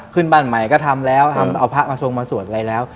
ขึ้นบ้านใหม่ก็ทำแล้วทำเอาพระมาทรงมาสวดอะไรแล้ว